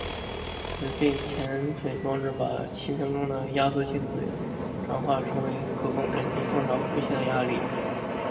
水肺潜水装置把气瓶中的压缩气体转化成可供人体正常呼吸的压力。